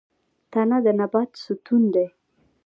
تنه د نبات ستون دی